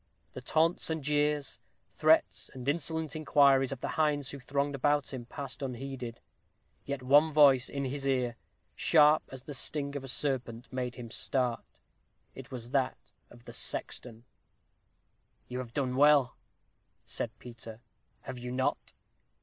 The taunts and jeers, threats and insolent inquiries, of the hinds who thronged around him, passed unheeded; yet one voice in his ear, sharp as the sting of a serpent, made him start. It was that of the sexton. "You have done well," said Peter, "have you not?